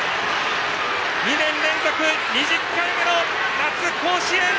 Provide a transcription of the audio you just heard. ２年連続２０回目の夏の甲子園！